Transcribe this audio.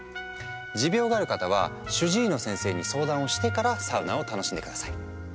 持病がある方は主治医の先生に相談をしてからサウナを楽しんで下さい。